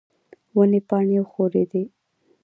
ونې پاڼې وښورېدې.